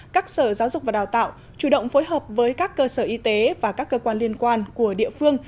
các sở giáo dục và đào tạo chủ động phối hợp với các cơ sở y tế và các cơ quan liên quan của địa phương